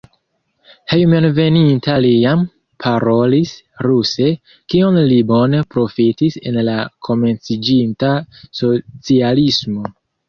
Hejmenveninta li jam parolis ruse, kion li bone profitis en la komenciĝinta socialismo.